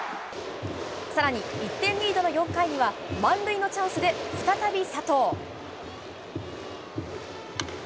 さらに１点リードの４回には、満塁のチャンスで、再び佐藤。